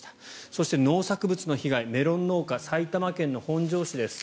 そして農作物の被害メロン農家、埼玉県本庄市です。